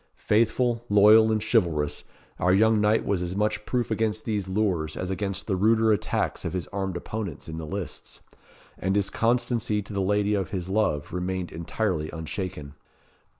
Faithful, loyal, and chivalrous, our young knight was as much proof against these lures, as against the ruder attacks of his armed opponents in the lists; and his constancy to the lady of his love remained entirely unshaken.